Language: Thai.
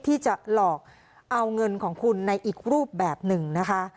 ที่จะหลอกเอาเงินของคุณในอีกรูปแบบหนึ่งนะคะ